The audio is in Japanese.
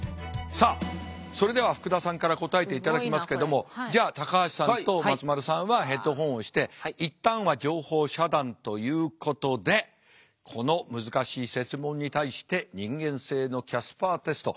さあそれでは福田さんから答えていただきますけどもじゃあ高橋さんと松丸さんはヘッドホンをして一旦は情報遮断ということでこの難しい設問に対して人間性のキャスパーテスト。